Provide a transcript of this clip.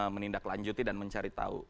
menindaklanjuti dan mencari tahu